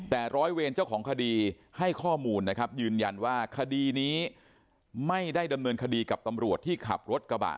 แต่ร้อยเวรเจ้าของคดีให้ข้อมูลนะครับยืนยันว่าคดีนี้ไม่ได้ดำเนินคดีกับตำรวจที่ขับรถกระบะ